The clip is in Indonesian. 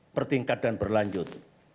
bertingkat dan berlanjut